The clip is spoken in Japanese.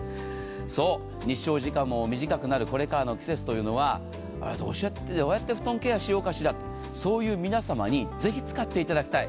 そう、日照時間も短くなるこれからの季節というのはどうやって布団ケアしようかしら、そういう皆様にぜひ使っていただきたい。